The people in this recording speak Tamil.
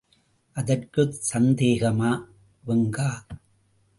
அதற்குச் சந்தேகமா வெங்கா?